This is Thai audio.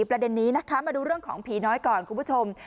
ประเด็นนี้นะคะมาดูเรื่องของผีน้อยก่อนคุณผู้ชม